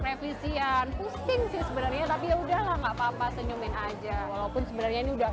aa pusing sih sebenarnya tapi ya udahlah nggak apa apa senyumin aja walaupun sebenarnya nih udah